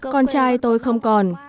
con trai tôi không còn